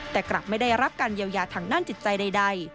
แต่กลับไม่ได้รับการเยียวยาทางด้านจิตใจใด